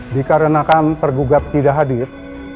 dikarenakan pergugat tidak hadir